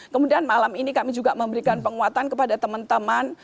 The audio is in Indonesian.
kemudian malam ini kami juga memberikan penguatan kepada teman teman